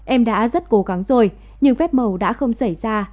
em đã rất cố gắng rồi nhưng phép màu đã không xảy ra